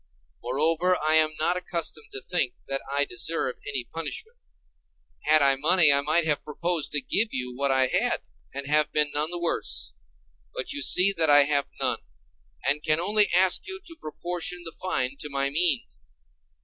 Moreover, I am not accustomed to think that I deserve any punishment. Had I money I might have proposed to give you what I had, and have been none the worse. But you see that I have none, and can only ask you to proportion the fine to my means.